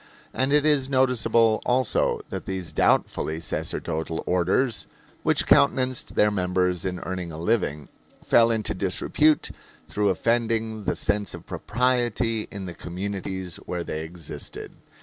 And it is noticeable also that these doubtfully sacerdotal orders, which countenanced their members in earning a living, fell into disrepute through offending the sense of propriety in the communities where they existed.